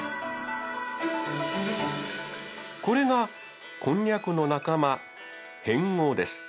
これがこんにゃくの仲間へんごです。